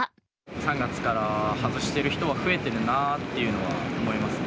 ３月から外してる人は増えているなっていうのは思いますね。